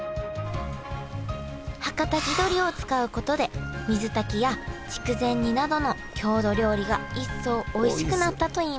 はかた地どりを使うことで水炊きや筑前煮などの郷土料理が一層おいしくなったといいます。